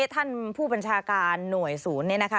ท่านผู้บัญชาการหน่วยศูนย์เนี่ยนะคะ